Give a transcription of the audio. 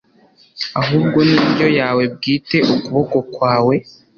ahubwo ni indyo yawe bwite ukuboko kwawe